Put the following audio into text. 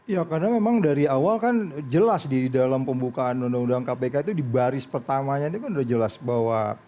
ya karena memang dari awal kan jelas di dalam pembukaan undang undang kpk itu di baris pertamanya itu kan udah jelas bahwa